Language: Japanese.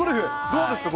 どうですか？